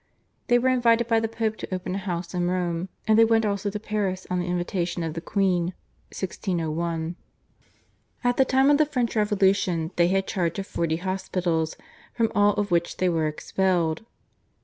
They were invited by the Pope to open a house in Rome, and they went also to Paris on the invitation of the queen (1601). At the time of the French Revolution they had charge of forty hospitals, from all of which they were expelled.